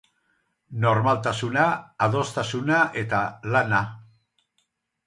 Normaltasuna, adostasuna eta lana.